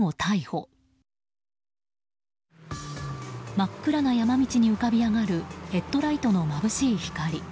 真っ暗な山道に浮かび上がるヘッドライトのまぶしい光。